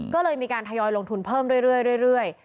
ก็เลยมีการทยอยลงทุนเพิ่มเรื่อย